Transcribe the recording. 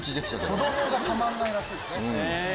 子供がたまらないらしいですね。